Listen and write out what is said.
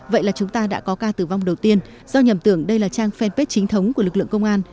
vậy là chúng ta đã có ca tử vong đầu tiên do nhầm tưởng đây là trang fanpage chính thống của lực lượng công an